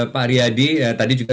pak ariyadi tadi juga